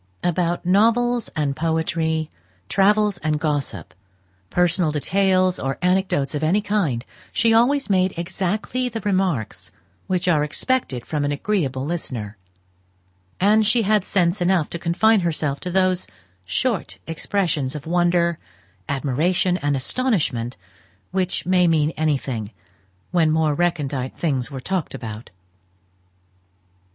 About novels and poetry, travels and gossip, personal details, or anecdotes of any kind, she always made exactly the remarks which are expected from an agreeable listener; and she had sense enough to confine herself to those short expressions of wonder, admiration, and astonishment, which may mean anything, when more recondite things were talked about.